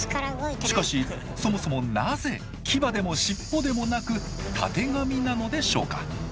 しかしそもそもなぜ牙でも尻尾でもなくたてがみなのでしょうか。